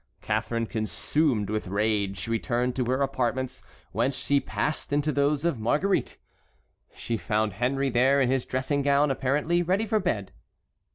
Catharine, consumed with rage, returned to her apartments, whence she passed into those of Marguerite. She found Henry there in his dressing gown, apparently ready for bed.